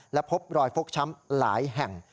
และพบรอยฟกช้ำหลายแห่ง